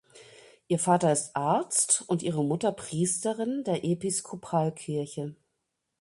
Ihr Vater ist Arzt und ihre Mutter Priesterin der Episkopalkirche.